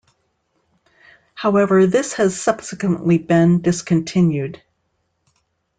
However this has subsequently been discontinued.